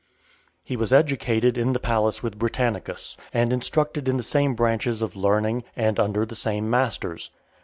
II. He was educated in the palace with Britannicus, and instructed in the same branches of learning, and under the same masters.